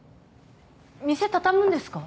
店畳むんですか？